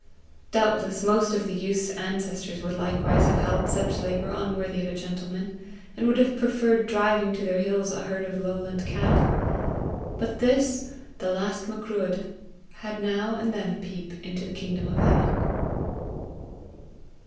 Doubtless most of the youth's ancestors would likewise have held such labour unworthy of a gentleman, and would have preferred driving to their hills a herd of lowland cattle; but this, the last Macruadh, had now and then a peep into the kingdom of heaven.